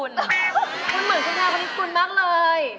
คุณเหมือนแผลวคณิตกุลมากเลย